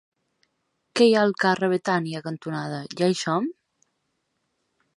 Què hi ha al carrer Betània cantonada Ja-hi-som?